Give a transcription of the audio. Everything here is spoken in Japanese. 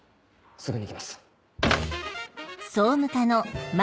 すぐに行きます。